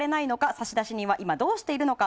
差出人はどうしているのか？